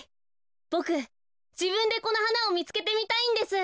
ボクじぶんでこのはなをみつけてみたいんです。